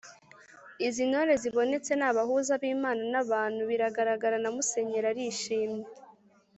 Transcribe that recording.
izi ntore zibonetse ni abahuza b’imana n’abantu. biragaragara, na musenyeri arishimye